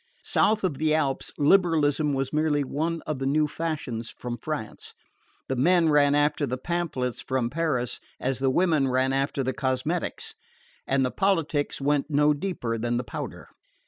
South of the Alps liberalism was merely one of the new fashions from France: the men ran after the pamphlets from Paris as the women ran after the cosmetics; and the politics went no deeper than the powder.